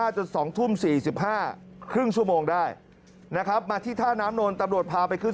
จน๒ทุ่ม๔๕ครึ่งชั่วโมงได้นะครับมาที่ท่าน้ำนนท์ตำรวจพาไปขึ้น